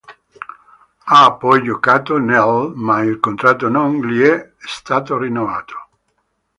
Ha poi giocato nell', ma il contratto non gli è stato rinnovato.